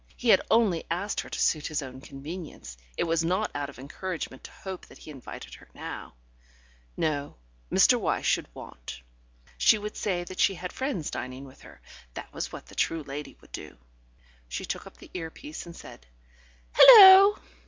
He had only asked her to suit his own convenience; it was not out of encouragement to hope that he invited her now. No; Mr. Wyse should want. She would say that she had friends dining with her; that was what the true lady would do. She took up the ear piece and said: "Hullo!"